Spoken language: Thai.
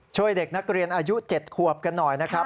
ช่วยเด็กนักเรียนอายุ๗ขวบกันหน่อยนะครับ